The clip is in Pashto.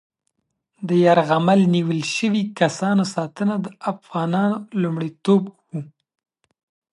د یرغمل نیول شوي کسانو ساتنه د افغانانو لومړیتوب و.